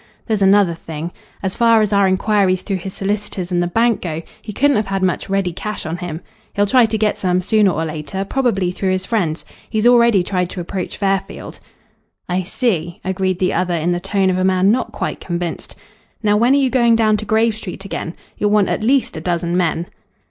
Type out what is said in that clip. There's another thing. As far as our inquiries through his solicitors and the bank go, he couldn't have had much ready cash on him. He'll try to get some sooner or later probably through his friends. He's already tried to approach Fairfield." "I see," agreed the other in the tone of a man not quite convinced. "Now, when are you going down to Grave Street again? You'll want at least a dozen men."